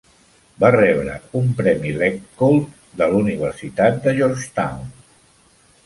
Va rebre un premi Lepgold de la Universitat de Georgetown.